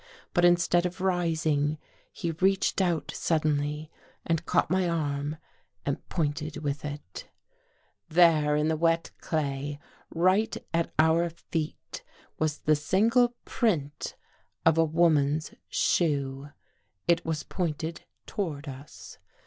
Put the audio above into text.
But instead of rising, he reached out 283 THE GHOST GIRL suddenly and caught my arm and pointed with it. There, in the wet clay, right at our feet, was the single print of a woman's shoe. It was pointed toward us.